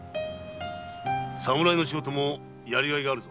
侍の仕事もやりがいがあるぞ。